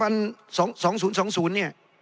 เนี่ย